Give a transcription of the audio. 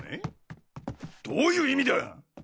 どういう意味だ。